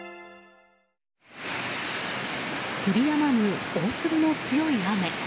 降りやまぬ大粒の強い雨。